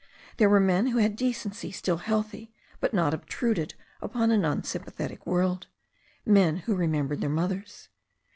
There were men who had decency still healthy, but not obtruded upon an unsympathetic world; men who remembered their mothers.